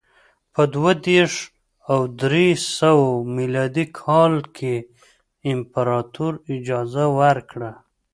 په دوه دېرش او درې سوه میلادي کال کې امپراتور اجازه ورکړه